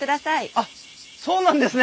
あっそうなんですね！